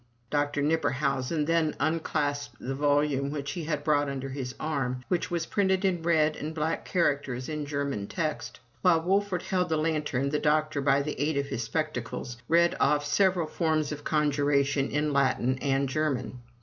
Dr. Knipperhausen then un clasped the volume which he had brought under his arm, which was printed in red and black characters in German text. While Wolfert held the lantern, the doctor, by the aid of his spectacles, read off several forms of conjuration in Latin and German.